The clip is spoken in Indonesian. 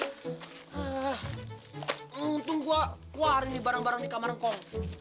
untung gua keluarin barang barang di kamar ngkong